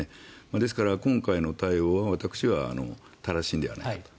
ですから今回の対応は私は正しいのではないかと。